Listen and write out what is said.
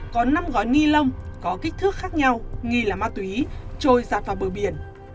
có năm gói ni lông có kích thước khác nhau nghi là ma túy trôi giạt vào bờ biển